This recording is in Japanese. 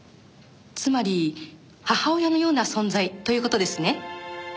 つまり母親のような存在という事ですね。